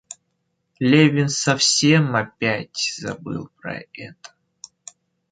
Левин совсем опять забыл про это.